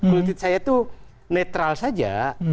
kultuit saya tuh netral saja